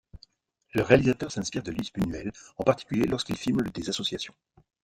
Le réalisateur s'inspire de Luis Buñuel en particulier lorsqu'il filme des associations.